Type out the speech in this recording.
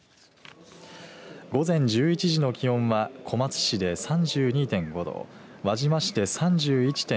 午前１１時の気温は小松市で３２．５度輪島市で３１．６度